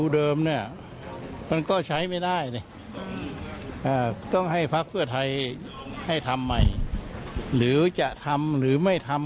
เริ่มไว้ก็ได้